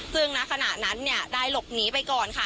ซึ่งณขณะนั้นเนี่ยได้หลบหนีไปก่อนค่ะ